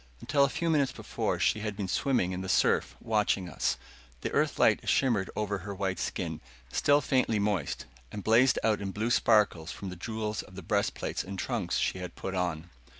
Until a few minutes before she had been swimming in the surf, watching us. The Earth light shimmered over her white skin, still faintly moist, and blazed out in blue sparkles from the jewels of the breastplates and trunks she had put on.